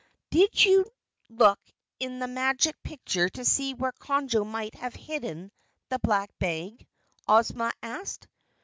"Did you look in the Magic Picture to see where Conjo might have hidden the Black Bag?" Ozma asked.